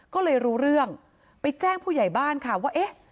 ก็เลยรู้เรื่องไปแจ้งผู้ใหญ่บ้านค่ะว่าเอ๊ะ